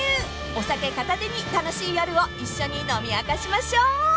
［お酒片手に楽しい夜を一緒に飲み明かしましょう］